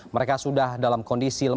mereka sudah dalam kondisi lemah